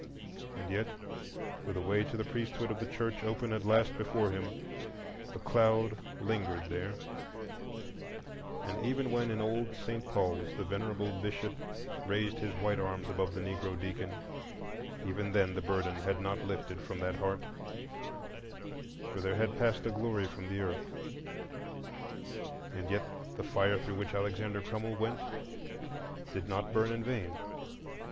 And yet, with a way to the priesthood of the Church open at last before him, the cloud lingered there; and even when in old St. Paul's the venerable Bishop raised his white arms above the Negro deacon—even then the burden had not lifted from that heart, for there had passed a glory from the earth. And yet the fire through which Alexander Crummell went did not burn in vain.